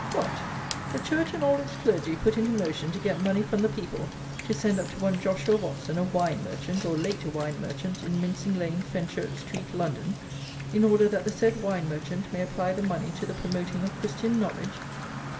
What! the church and all its clergy put into motion to get money from the people to send up to one Joshua Watson, a wine merchant, or, late a wine merchant, in Mincing Lane, Fenchurch Street, London, in order that the said wine merchant may apply the money to the "promoting of Christian Knowledge!"